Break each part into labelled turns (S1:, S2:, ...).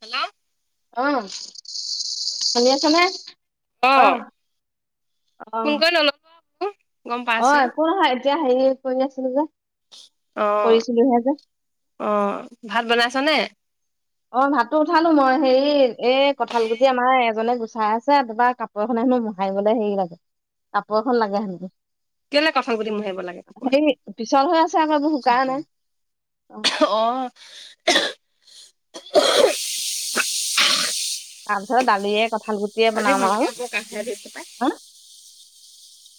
S1: Hello
S2: অ', শুনি আছ নে? অ', অ
S1: ফোন কৰি নললি
S2: অ', একো নহয়, এতিয়া হেৰি কৰি আছিলো যে,
S1: অ'
S2: কৰিছিলোহে যে।
S1: অ', ভাত বনাইছনে।
S2: অ', ভাতটো উঠালো মই। হেৰি এই কঁঠাল গুটি আমাৰ এজনে গুচাই আছে, তাপা কাপোৰ কাপৰ এখনে হেনো মোহাৰিবলে গ'লে হেৰি লাগে। কাপোৰৰখন লাগে সেনকে
S1: কেলে কঁঠাল গুটি মোহাৰিব লাগে কুকুৰে
S2: হেই পিছল হৈ আছে আকৌ এইবোৰ শুকান নাই অ'।
S1: অ',
S2: তাৰপিছত দালিয়ে কঠাল গুটিয়ে
S1: আজি
S2: বনাম আৰু।
S1: সন্ধিয়া বৰ কাহে ধৰিছে পাই
S2: হা,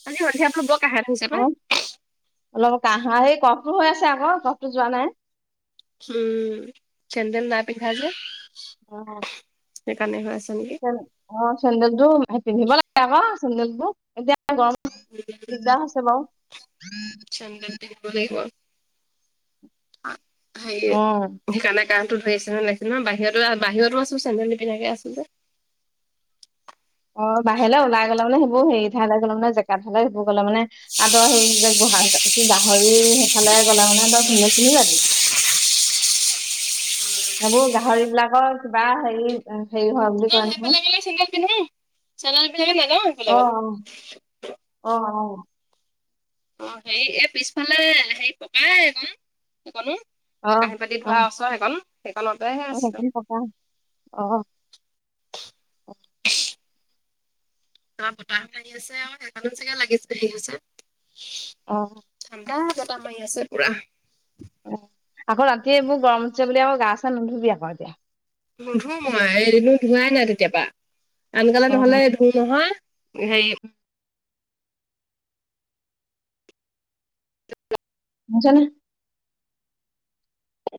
S1: আজি সন্ধিয়া কাহে ধৰিছে পাই
S2: আহ্ অলপ কাহা, এই কফটো হৈ আছে আকৌ। কফটো যোৱা নাই।
S1: উম্, চেন্দেল নাই পিন্ধা যে।
S2: অ'
S1: সেইকাৰণে হৈ আছ নেকি?
S2: অ', চেন্দেল জোৰ পিন্ধিব লাগে আকৌ। চেন্দেলজোৰ এতিয়া। গৰমত দিগদাৰ হৈছে বাৰু।
S1: চেন্দেল পিন্ধিব লাগিব,
S2: অ
S1: সেইকাৰণে হেৰি। গাঁটোত ধৰি আছে ন, নহয় বাহিৰতো আছোঁ চেণ্ডেল নিপিন্ধাকৈ আছো যে।
S2: অ', বাহিৰলে ওলাই গ'লে মানে, সেইবোৰ হেৰি ঠাইলে গ'ল মানে। কাঠলে সেইবোৰ গ'লে মানে, আদৰ সেই যে গোহা কি গাহৰি সেইফালে গ'লে মানে তই হেৰি চেন্দেল পিন্ধি যাবি। এইবোৰ গাহৰি বিলাকৰ কিবা হেৰি, হেৰি হয়
S1: ন
S2: বুলি কয়
S1: সেইফালে
S2: নহয়।
S1: চেন্দেল পিন্ধো, চেন্দেল নিপিন্ধাকে নাযাওঁ মানে সেইফালে
S2: অ
S1: গ'লে।
S2: অ', অ'।
S1: অ', হেৰি, এই পিছফালে হেৰি পকাই বাৰু। সেইকনো,
S2: অ
S1: কাঁহী-বাতি
S2: অ অ
S1: ধোৱা ওচৰ সেইকণ, সেইকণতে।
S2: অ', সেইখিনি পকা।
S1: হ তা বতাহ মাৰি আছে আৰু সেইকাৰণেও চাগে লাগিছে, হেৰি আছে।
S2: অ',
S1: ঠাণ্ডা, বতাহ মাৰি আছে পুৰা।
S2: আকৌ ৰাতিয়ে এইবোৰ গৰম উঠিছে বুলি, আকৌ গা চা নুধুবি আকৌ এতিয়া।
S1: নোধো মই, এদিনো ধোৱাই নাই তেতিয়া পৰা। আনকালে
S2: অ
S1: নহ'লে মোৰ নহয় হেৰি
S2: নাজানে। আ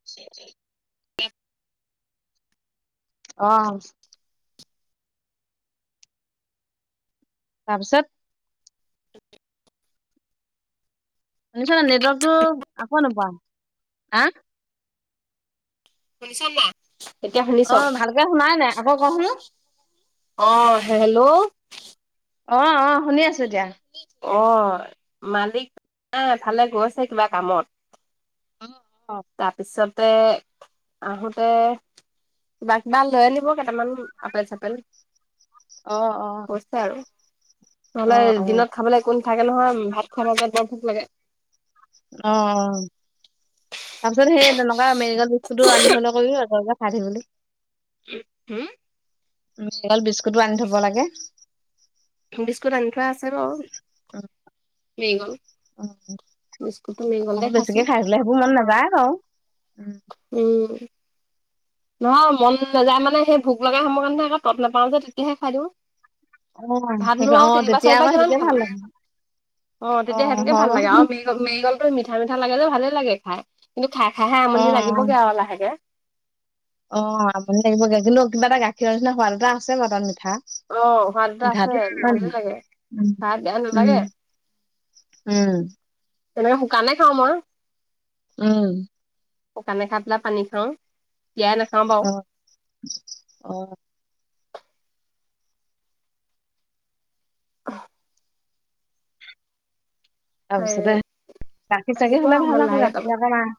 S1: [inaudible]
S2: অ'। তাৰপিছত [unintelligible] নেটৱৰ্কতটো আকৌ নোপোৱা হা।
S1: শুনিছাম না [unintelligible]
S2: অ', ভালকে শুনাই নাই আকৌ ক শোন।
S1: অ', হেল্ল'।
S2: অ', অ', শুনি আছো এতিয়া।
S1: অ', মালিকফালে গৈছে কিবা কামত।
S2: অ
S1: তাৰপিছতে আহোতে কিবা কিবা লৈ আনিব কেইটামান আপেল চাপেল
S2: অ অ অ
S1: কৈছে আৰু
S2: অ
S1: নহ'লে
S2: অ
S1: দিনত খাবলৈ একো নাথাকে নহয় ভাত খোৱাৰ মাজত বৰ ভোক লাগে।
S2: অ', অ', তাৰপিছত সেই তেনেকুৱা মেৰি [unintelligible] চ়ি বুলি [unintelligible]
S1: হম।
S2: [unintelligible] বিস্কুটোআনি থ'ব লাগে।
S1: বিস্কুট আনি থোৱা আছে বাৰু।
S2: উম।
S1: মেৰিগ'ল্ড।
S2: অ',
S1: খাইছো
S2: বেছিকে খাই দিলে সেইবোৰ মন নাযায় বাউ।
S1: উম। নহয় মন নাযায় মানে সেই ভোক লগা সময়ৰ কাৰণেহে আকৌ ত'ত নাপাওঁ যে তেতিয়াহে খাই দিওঁ।
S2: অ সেই
S1: ভাতনো
S2: অ
S1: আৰু তিনিবাৰ
S2: তেতিয়া আকৌ
S1: চাৰিবাৰ কিমান
S2: সেইটোকে ভাল
S1: খাবি।
S2: লাগে
S1: অ',
S2: অ
S1: তেতিয়া সেইটোকে
S2: হয়
S1: ভাল
S2: বাৰু
S1: লাগে আৰু ম মেৰিগ'ল্ডটো মিঠা, মিঠা লাগে যে ভালে লাগে খাই কিন্তু খাই খাইহে
S2: অ
S1: আমনি
S2: অ
S1: লাগিবগে আৰু লাহেকে।
S2: অ', আমুনি লাগিব কিন্তু কিবা এটা গাখীৰৰ নিচিনা সোৱাদ এটা আছে বাৰু মিঠা।
S1: অ সোৱাদ এটা আছে
S2: [unintelligible]
S1: ভালে
S2: হয়
S1: লাগে খাই বেয়া
S2: উম।
S1: নালাগে
S2: উম।
S1: তেনেকে শুকানে খাওঁ মই।
S2: উম।
S1: শুকানে খাই পেলাই পানী খাওঁ টিয়াই নাখা
S2: অ', অ'।
S1: অহ।
S2: তাৰপিছতে গাখীৰ চাকী
S1: আহিব আৰু
S2: হ'লে
S1: অকমান
S2: ভাল আকৌ
S1: লাহেকে তাৰপা।
S2: গাখীৰ ই‌য়াতে নাই।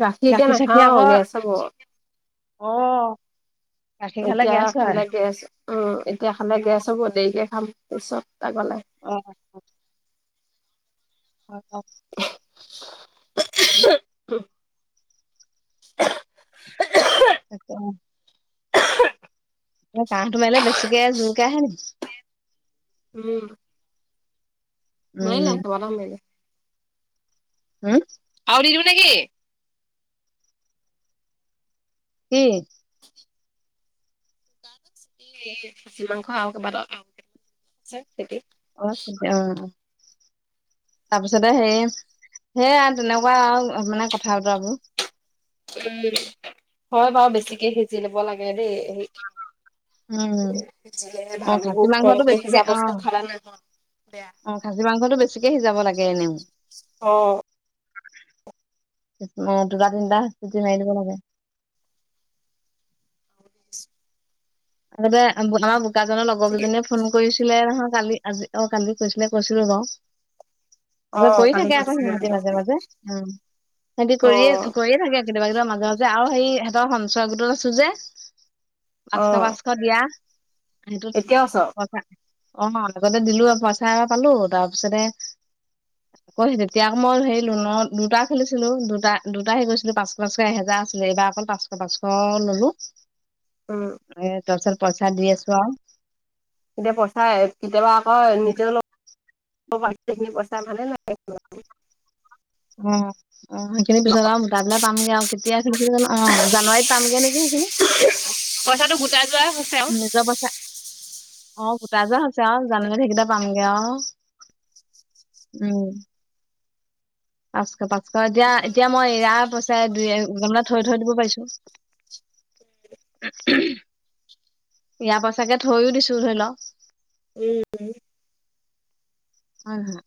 S1: গাখীৰ এতিয়া
S2: চাখীৰ আকৌ
S1: নাখাও গেছ হ'ব।
S2: অ গাখীৰ খালে
S1: এতিয়া
S2: গেছ হয়
S1: খালে গেছ উ এতিয়া খালে গেছ হ'ব। দেৰিকে খাম পিছত আগলে।
S2: অ'। হয় ক'ক।
S1: [unintelligible] উ [unintelligible]
S2: ত [unintelligible] কাহটো মাৰিলে বেছিকে জোৰকে আহে নেকি।
S1: উম। মাৰিলে
S2: উম
S1: [unintelligible]
S2: হুম।
S1: আৰু দিলো নেকি।
S2: কি?
S1: এ খাচী মাংস আৰু কেইবা [unintelligible]
S2: অ' শুদ্ধ অ'।
S1: [unintelligible]
S2: তাৰপিছতে সে সেয়া তেনেকুৱা আৰু মানে কথা বতৰাবোৰ।
S1: উ, হয় বাৰু বেছিকে সিজি ল'ব লাগে দেই, সেই
S2: উম
S1: যিহে
S2: অ
S1: ভাল হ'ব
S2: খাচী মাংসটো
S1: কমকে
S2: বেছিকে
S1: সিজা
S2: অ
S1: বস্ত খালা নাই ত
S2: অ' খাচি মাংসটো বেছিকে সিজাব লাগে এনেও।
S1: অ'।
S2: অ' দুটা তিনটা চিটি মাৰি দিব লাগে।
S1: [inaudible]
S2: আগতে বনোৱা বোকাজনৰ লগৰ কেইজনীয়ে ফোন কৰিছিলে নহয় কালি, আজি অ' কালি কৈছিলে কৈছিলোঁ বাৰু।
S1: অ
S2: ত' কৰি
S1: কালি
S2: থাকে আকৌ
S1: কৈছিলে বুলি
S2: সিহতি মাজে
S1: কৈছিলে
S2: মাজে উম, সিহঁতি
S1: অ
S2: কৰিয়ে কৰিয়ে থাকে। কেতিয়াবা কেতিয়া মাজে মাজে আৰু সেই সিহঁতৰ সঞ্চয় গোটত আছোঁ যে,
S1: অ
S2: পাচকা পাচকা দিয়া, সেইটো
S1: এতিয়া আছ
S2: কথা। অ' লগতে দিলোঁ আৰু পইচা এটা পালো তাৰপিছতে ক তেতিয়া আক' মই হেৰি লোনৰ দুটা খেলিছিলোঁ, দুটা দুটা হেৰি কৰিছিলোঁ পাঁচক পাঁচক এহেজাৰ আছিলে, এইবাৰ অকল পাচ পাঁচশ ললোঁ।
S1: [unintelligible]
S2: এ, তাৰপিছত পইচা দি আছোঁ আৰু।
S1: এতিয়া পইচা কেতিয়াবা আকৌ নিজৰ পইচা ভালে লাগে।
S2: উম, উম, সেইখিনি পিছত আৰু তাবলা পামগে আৰু কেতিয়া অ' জানুৱাৰীত পামগে আৰু নেকি এইখিনি।
S1: পইচাটো গোটাই যোৱা হৈছে আৰু।
S2: যোৱা পইচা, অ' গুটাই যোৱা হৈছে আৰু জানুৱাৰী সেইকেইটা পামগে আৰু। উম। পাঁচশ পাঁচশ, এতিয়া
S1: উম,
S2: এতিয়া মই এয়া পইচা দুই এ, মানে থৈ থৈ দিব পাৰিছোঁ। ইয়াৰ পাইছাকে থৈও দিছোঁ ধৰি ল।
S1: উম।
S2: হয় হয়।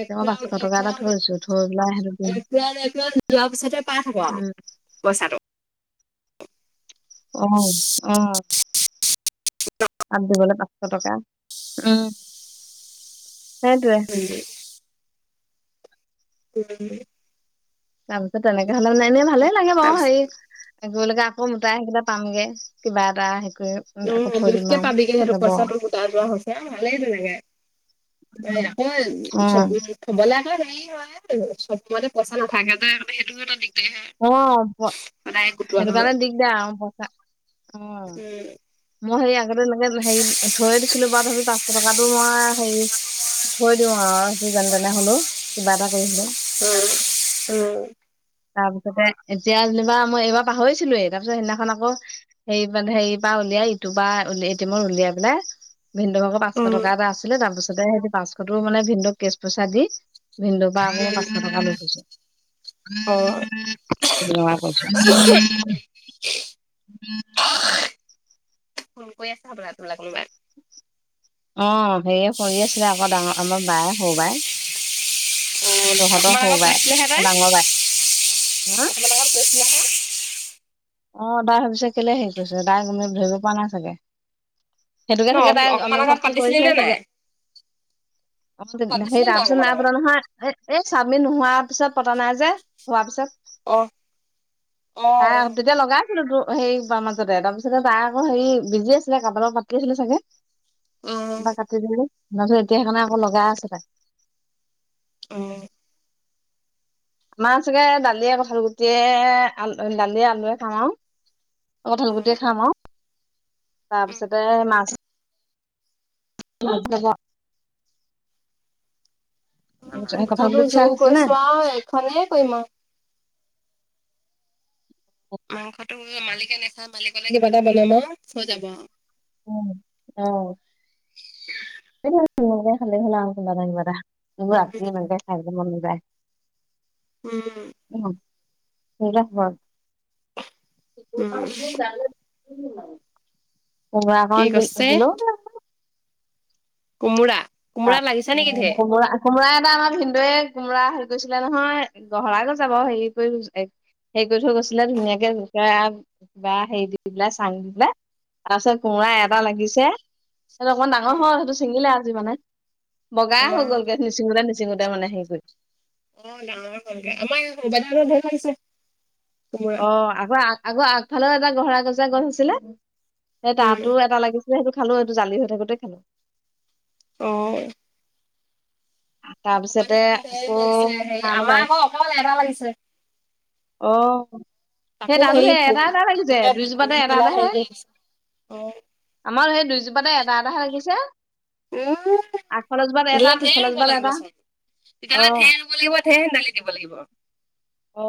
S1: এক ৰাউণ্ড এক ৰাউণ্ড
S2: থৈ পেলাই সেইটো দিম
S1: একপ্ৰ এপ্ৰ যোৱা পিছতে পাই থাকোঁ আৰু।
S2: উম
S1: পইছাটো।
S2: অ', অ' তাত দিবলে পা পাচশ টকা, উম, সেইটোয়ে।
S1: [unintelligible] উম।
S2: তাৰপিছত তেনেকে হ'লে মানে এনেই ভালেই লাগে বাৰু
S1: তাৰপিছত
S2: হেৰি গৈলেকে আকৌ মোটাই সেইকেইটা পামগে, কিবা এটা হেৰি কৰি। আকৌ
S1: অ'
S2: থৈ দিম
S1: মোতকে পাবি কে
S2: আৰু
S1: সেইটো
S2: যাব
S1: পইচাটো গোটাই যোৱা হৈছে, ভালেই তেনেকে। এয়া আকৌ এ, চববোৰ হ'বলে আকৌ হেৰি হয় চব সময়তে পইচা নথাকে যে সেইটো এটা দিগ
S2: অ' সেইটো কাৰণে
S1: সময়ত।
S2: দিগদাৰ অ' পইচা অ'।
S1: উম,
S2: মই হেৰি আগতে এনেকে হেৰি থৈয়ে দিছিলোঁ বাৰ তথাবি তাত টকাটো মই হেৰি থৈ দিওঁ আৰু সেইটো যেনেতেনে হ'লেও, কিবা এটা কৰি হ'লেও।
S1: উম, উম।
S2: তাৰপিছতে এতিয়া যেনিবা মই এইবাৰ পাহৰিছিলোয়ে, তাৰপিছত সেইদিনাখন আকৌ হেৰি মানে হেৰিপা উলিয়াই, ইটোৰপা এটিমৰপৰা উলিয়াই পেলাই ভিনদুক আকৰ পাঁচশ
S1: উম,
S2: টকা এটা আছিলে তাৰপিছতে সেই পাঁচশতো মানে ভিনদুক কেচ পইচা দি ভিনদুক বা আকৌ
S1: উম,
S2: পাঁচশ টকা লৈ থৈছোঁ।
S1: অ'।
S2: ল'ৰাৰ পইছা।
S1: ফোন কৰি আছে হ'বলা কোনোবা কোনোবাই।
S2: অ', হেৰিয়ে কৰি আছিলে আকৌ, ডাঙৰ আমাৰ বাই, সৰু বাই।
S1: অ',
S2: তহঁতৰ
S1: অকমান আগত
S2: সৰু বাই
S1: কৈছিলেহে তাই।
S2: ডাঙৰ বাই হা
S1: অকমান আগত কৈছিলেহে।
S2: অ', তাই ভাবিছে কেলে হেৰি কৰিছে, তাই গমি ধৰিব পৰা নাই চাগে। সেইটোকে
S1: ন
S2: চাগে তাই
S1: অকমান আগত
S2: অনুভৱটো
S1: পাতিছিলি
S2: কৰিছে
S1: নে নাই?
S2: চাগে তাৰ পিছত
S1: পাতিছিলে আকৌ
S2: তাৰপিছত
S1: মানে
S2: নাই পতা নহয় এ এই চাবমিট নোহোৱাৰ পিছত পতা নাই যে হোৱাৰ পিছত
S1: অহ অহ
S2: তাই
S1: অহ
S2: তেতিয়া লগাই আছিলো তো হেৰিৰ মাজতে তাৰপিছতে তাৰ আকৌ হেৰি বিজি আছিলে কাৰোবাৰৰ লগত পাতি আছিলে চাগে
S1: উম
S2: কিবা কাটি দিলে তাৰপিছত এতিয়া সেইকাৰণে আকৌ লগাই আছে তাই
S1: উম
S2: আমাৰ চাগে দালিয়ে কঠাল গুটিয়ে দালিয়ে আলুৱে খাম আও অ কঠাল গুটিয়ে খাম আও তাৰপিছতে মাছ [unintelligible] কঁঠাল
S1: মুঠতে
S2: গুটি পিছা
S1: জোৰ
S2: হৈছে নে
S1: কৈছো আও এখনে কৰিম আৰু মাংসটো মালিকে নাখায় মালিকলে কিবা এটা বনাম আও হৈ যাব
S2: উম অহ খালেই হল সেনেকে খালে হল আও কিবা এটা কিবা এটা এইবোৰ ৰাতি ইমানকে খাই থাকিব মন নাযায়
S1: উম
S2: [unintelligible] কি বনালি
S1: উম,
S2: কোমোৰা
S1: কি
S2: অকন দি
S1: কৈছে
S2: দিলো
S1: কোমোৰা, কোমোৰা লাগিছে নেকি
S2: উম
S1: ধেৰ
S2: কোমোৰা কোমোৰা এটা আমাৰ ভিনদেওয়ে কোমোৰা হেৰি কৰিছিলে নহয় গহৰাই গৈছে বাৰু হেৰি কৰি হেৰি কৰি থৈ গৈছিলে ধুনীয়াকে বাঁহ কিবা হেৰি দি পেলাই চাং দি পেলাই। তাৰপিছত কোমোৰা এটা লাগিছে সেইটো অকমান ডাঙৰ হ'ল সেইটো ছিঙিলে আজি মানে। বগা
S1: অ
S2: হৈ গ'লগে নিছিঙুতে নিছিঙুতে মানে হেৰি কৰি।
S1: অ ডাঙৰ হ'লগে আমাৰ এই সৰু বাইদেউ হতৰ ধেৰ লাগিছে কোমোৰা
S2: অ আকৌ আগ আগৰ আগফালেও এটা গহৰা গজা গছ আছিলে সেই
S1: উম
S2: তাতো এটা লাগিছিল। ছিলে সেইটো খালো এইটো জালি হৈ থাকোতেই খালো।
S1: অহ।
S2: তাৰপিছতে
S1: বাইদেউহঁতৰ ঢেৰ
S2: আকৌ
S1: লাগিছে, হেৰি
S2: খাম
S1: আমাৰ
S2: এডাল
S1: আকৌ অকল এটা লাগিছে
S2: অহ সেই
S1: তাকো
S2: তাতো
S1: হেৰি
S2: সেই এটা এটা লাগিছে
S1: পোকে
S2: দুইজোপাতে
S1: বিন্ধি
S2: এটা এটা
S1: পেলাই
S2: হে।
S1: হেৰি কৰি দিছে অ
S2: আমাৰ সেই দুইজোপাতে এটা এটাহে লাগিছে।
S1: উম
S2: আগফালৰ জোপাত এটা
S1: তেতিয়াহ'লে ধেৰ
S2: পিছফালৰ
S1: ৰুব
S2: জোপাত
S1: লাগিব
S2: এটা
S1: চোন
S2: অ
S1: তেতিয়াহ'লে ধেৰ ধেৰ ৰুব লাগিব ধেৰ হেন্দালি দিব লাগিব।
S2: অ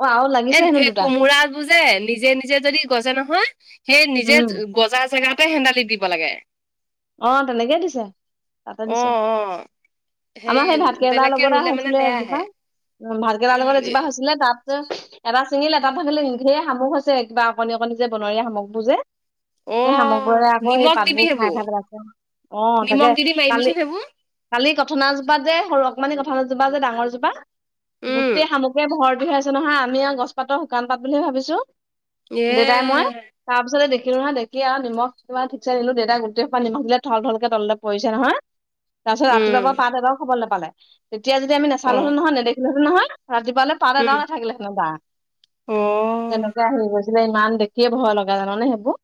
S2: অ আৰু লাগিছে হেনো দুটা।
S1: আৰু নিজে নিজে যদি গজে নহয় সেই নিজেই
S2: উম
S1: গজা জেগাতে হেন্দালি দিব লাগে।
S2: অ তেনেকেই দিছে। তাতেই
S1: অ
S2: দিছে
S1: অ
S2: আমাৰ সেই ভাতকেৰেলাৰ
S1: বেলেগকে
S2: লগতে
S1: ৰুলে মানে
S2: হৈছিলে
S1: বেয়া আহে
S2: এজোপা। উম ভাতকেৰেলাৰ লগত এজোপা
S1: উম
S2: হৈছিলে তাত ত এটা ছিঙিলে এটা থাকিলে ধেৰ শামুক হৈছে কিবা অকণি অকণি যে বনৰীয়া শামুক বোৰ যে।
S1: অ
S2: সেই শামুকবোৰে আকৌ সেই
S1: নিমখ দিবি
S2: পাতবোৰ খাই
S1: সেইবোৰ
S2: খাই পেলাইছে অ
S1: নিমখ
S2: তাকে
S1: দি দি মাৰিবিচোন
S2: কালি
S1: সেইবোৰ
S2: কালি কথনাজোপাত যে সৰু অকমানি কথনাজোপা যে ডাঙৰজোপা
S1: উম
S2: গোটেই শামুকে ভৰ্তি হৈ আছে নহয় আমি আও গছ পাতৰ শুকান পাত বুলিহে ভাবিছো। দেউতাই মই
S1: এ
S2: তাৰ পিছতে দেখিলো নহয় দেখি আৱ নিমখ ঠিকছে দিলো দেউতাই গোটেই পানী দিলে থল থলকে তলতে পৰিছে নহয় তাৰপিছত ৰাতিপুৱা পা
S1: উম
S2: পাত এটাও খাবলে নাপালে। তেতিয়া যদি আমি
S1: অ
S2: নেচালো হেতেন নহয় নেদেখিলোঁহেতেন নহয় ৰাতিপুৱালে পাত
S1: উম
S2: এটাও নাথাকিলেহেতেন তাত
S1: অ
S2: তেনেকে আহি গৈছিলে, ইমান দেখিয়ে ভয় লগা। জানানে সেইবোৰ?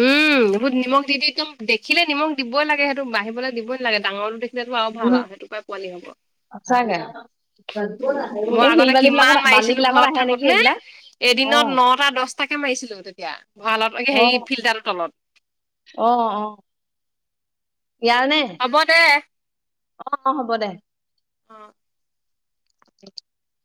S1: উম, বহুত নিমখ দি দিওঁ একদম, দেখিলেই নিমখ দিবই লাগে, সেইটো বাঢ়িবলৈ দিবই নালাগে ডাঙৰটো দেখি সেটো আৰু ভাল
S2: উম,
S1: আও সেইটোৰ পৰাই পোৱালী হ'ব।
S2: সঁচাকে
S1: উম, মই
S2: এই
S1: আগতে
S2: শিলবালি
S1: কিমান
S2: বিলাকত বালি
S1: মাৰিছিলো
S2: বিলাকত
S1: ঘৰত
S2: আহে নেকি
S1: থাকোতে।
S2: এইবিলাক অ
S1: এদিনত নটা, দচটাকে মাৰিছিলো তেতিয়া ভঁৰাল
S2: অ
S1: হেৰি ফিল্টাৰটোৰ তলত।
S2: অ অ। ইয়াৰ নে?
S1: হ'ব দে।
S2: অ অ হ'ব দে।
S1: অ।
S2: [unintelligible]